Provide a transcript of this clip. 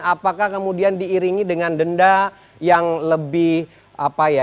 apakah kemudian diiringi dengan denda yang lebih apa ya